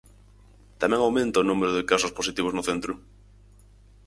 Tamén aumenta o número de casos positivos no centro.